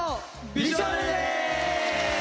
美少年です！